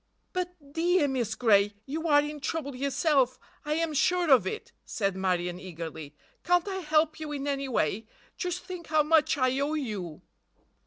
"But, dear Miss Gray—you are in trouble yourself, I am sure of it," said Marion eagerly. "Can't I help you in any way? Just think how much I owe you!"